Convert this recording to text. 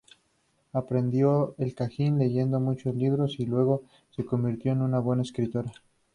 Aprendió el kanji leyendo muchos libros y luego se convirtió en una buena escritora.